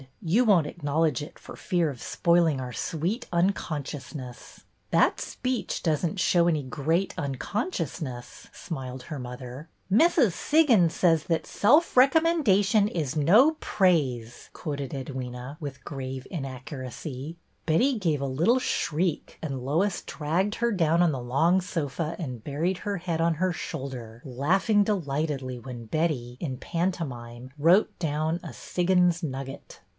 You won't acknowledge it for fear of spoiling our sweet unconsciousness." " That speech does n't show any great uncon sciousness," smiled her mother. PHOSPHORESCENCE 239 '' Mrs. Siggins says that self recommendation is no praise/' quoted Edwyna, with grave inaccuracy. Betty gave a little shriek, and Lois dragged her down on the long sofa and buried her head on her shoulder, laughing delightedly when Betty, in pantomime, wrote down a Siggins Nugget."